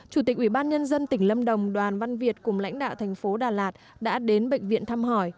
chủ tịch ủy ban nhân dân tỉnh lâm đồng đoàn văn việt cùng lãnh đạo thành phố đà lạt đã đến bệnh viện thăm hỏi